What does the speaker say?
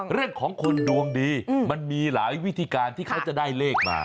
เรื่องของคนดวงดีมันมีหลายวิธีการที่เขาจะได้เลขมา